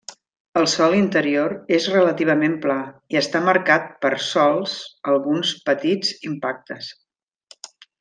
El sòl interior és relativament pla, i està marcat per sols alguns petits impactes.